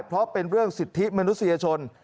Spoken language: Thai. เพราะเป็นเรื่องสิทธิมนุษยชน